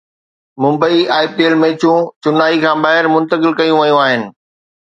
Mumbai I P L ميچون چنائي کان ٻاهر منتقل ڪيون ويون آهن